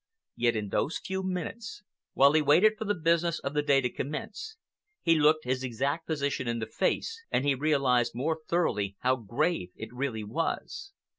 Yet in those few minutes, while he waited for the business of the day to commence, he looked his exact position in the face and he realized more thoroughly how grave it really was.